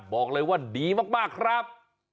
บอกเลยว่าดีมากครับ